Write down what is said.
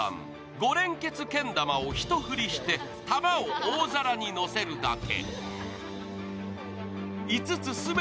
５連結けん玉を一振りして玉を大皿にのせるだけ。